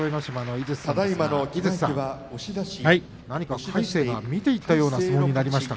井筒さん、魁聖が見ていったような相撲になりました。